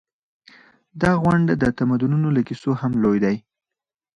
دا غونډ د تمدنونو له کیسو هم لوی دی.